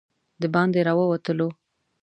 د باندې راووتلو.